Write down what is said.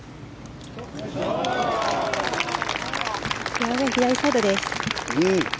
フェアウェー左サイドです。